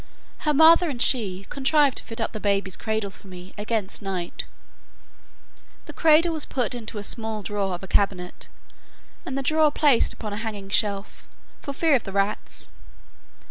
Her mother and she contrived to fit up the baby's cradle for me against night: the cradle was put into a small drawer of a cabinet, and the drawer placed upon a hanging shelf for fear of the rats.